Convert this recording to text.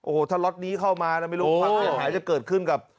โอ้โหถ้าล็อตนี้เข้ามานะไม่รู้ความเสียหายจะเกิดขึ้นกับ